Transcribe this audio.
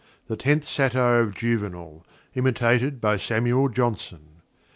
THE Tenth Satire of Juvenal, IMITATED By SAMUEL JOHNSON.